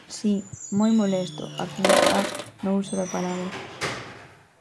Si, moi molesto a quen está no uso da palabra.